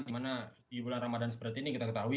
di mana di bulan ramadan seperti ini kita ketahui